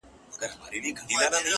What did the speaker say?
کله چي يو څوک د يو چا په اړه شکمن سي.